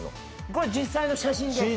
これ実際の写真です。